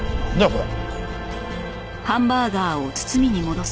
これ。